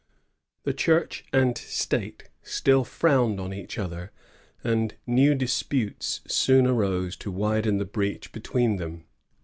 Thus Church and State still frowned on each other, and new disputes soon arose to widen the breach between them.